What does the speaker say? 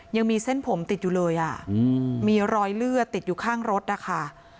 ยังมีเส้นผมติดอยู่เลยอ่ะมีรอยเลือดติดอยู่ข้างรถนะคะ